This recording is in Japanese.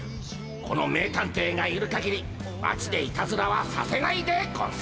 この名探偵がいるかぎり町でいたずらはさせないでゴンス。